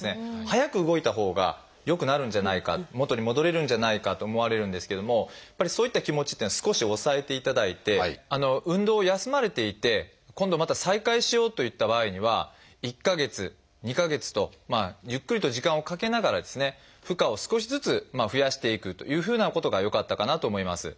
早く動いたほうが良くなるんじゃないか元に戻れるんじゃないかと思われるんですけどもやっぱりそういった気持ちっていうのは少し抑えていただいて運動を休まれていて今度また再開しようといった場合には１か月２か月とゆっくりと時間をかけながらですね負荷を少しずつ増やしていくというふうなことがよかったかなと思います。